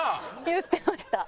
言ってました。